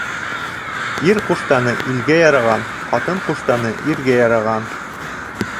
Ир ҡуштаны илгә яраған, ҡатын ҡуштаны иргә яраған.